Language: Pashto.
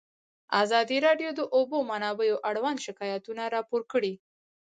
ازادي راډیو د د اوبو منابع اړوند شکایتونه راپور کړي.